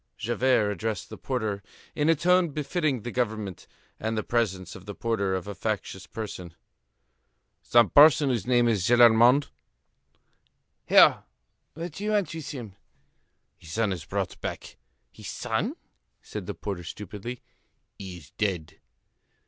Javert addressed the porter in a tone befitting the government, and the presence of the porter of a factious person. "Some person whose name is Gillenormand?" "Here. What do you want with him?" "His son is brought back." "His son?" said the porter stupidly. "He is dead."